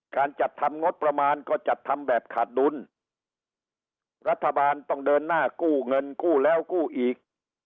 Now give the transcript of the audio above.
การจัดทำงบประมาณก็จัดทำแบบขาดดุลรัฐบาลต้องเดินหน้ากู้เงินกู้แล้วกู้อีก